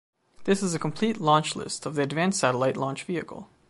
This is a complete launch list of the Advanced Satellite Launch Vehicle.